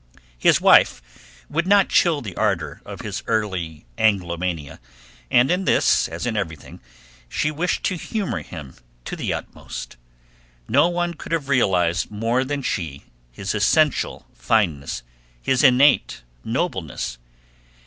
His wife would not chill the ardor of his early Anglomania, and in this, as in everything, she wished to humor him to the utmost. No one could have realized more than she his essential fineness, his innate nobleness.